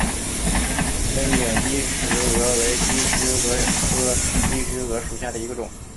针茎姬石蛾为姬石蛾科姬石蛾属下的一个种。